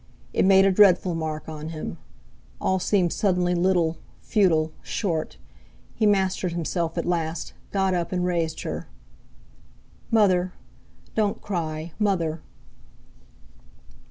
It made a dreadful mark on him; all seemed suddenly little, futile, short. He mastered himself at last, got up, and raised her. "Mother! don't cry—Mother!"